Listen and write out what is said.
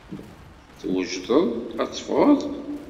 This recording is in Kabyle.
Twejdeḍ ad teffɣeḍ?